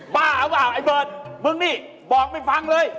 บ้าหรือเปล่าไอ้เบิร์ดมึงนี่บอกไปฟังเลย